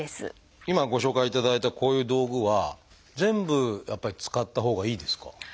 今ご紹介いただいたこういう道具は全部やっぱり使ったほうがいいですか？